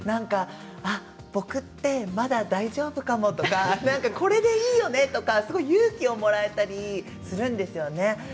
僕ってまだ大丈夫と思ってこれでいいよねって勇気をもらえたりするんですよね。